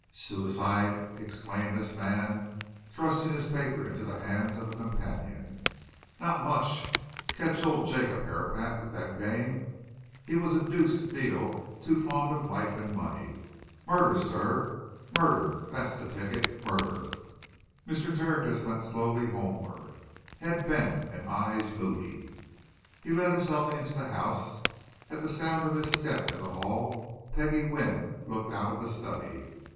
"Suicide?" exclaimed this man, thrusting his paper into the hands of a companion. "Not much! Catch old Jacob Herapath at that game he was a deuced deal too fond of life and money! Murder, sir murder! that's the ticket murder!" Mr. Tertius went slowly homeward, head bent and eyes moody. He let himself into the house; at the sound of his step in the hall Peggie Wynne looked out of the study.